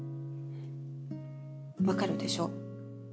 わかるでしょ？